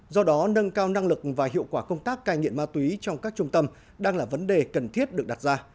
do đó nâng cao năng lực và hiệu quả công tác cai nghiện ma túy trong các trung tâm đang là vấn đề cần thiết được đặt ra